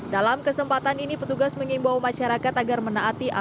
dalam kesempatan ini petugas mengimbau masyarakat agar menaati aturan